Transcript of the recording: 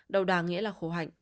đầu đà nghĩa là khổ hạnh